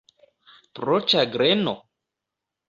Pro ĉagreno?